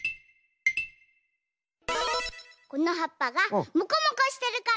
このはっぱがモコモコしてるから。